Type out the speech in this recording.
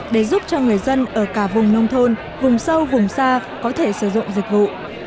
để giúp cho người dân ở cả vùng nông thôn vùng sâu vùng xa có thể sử dụng dịch vụ